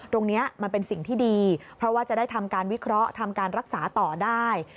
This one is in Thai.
ตรงนี้มันเป็นสิ่งที่ดีเพราะว่าจะได้ทำการวิเคราะห์ทำการรักษาต่อได้